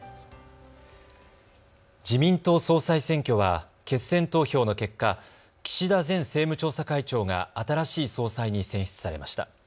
自民党総裁選挙は決選投票の結果、岸田前政務調査会長が新しい総裁に選出されました。